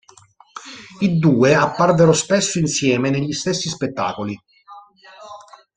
I due apparvero spesso insieme negli stessi spettacoli.